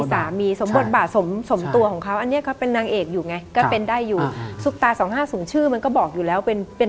แต่สถานะในขณะของพ่งเปลี่ยนไป